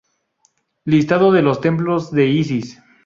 Listado de los templos de Isis